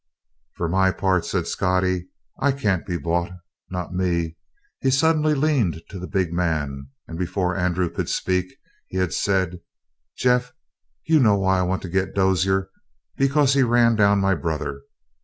"For my part," said Scottie, "I can't be bought. Not me!" He suddenly leaned to the big man, and, before Andrew could speak, he had said: "Jeff, you know why I want to get Dozier. Because he ran down my brother.